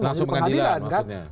langsung mengadilan maksudnya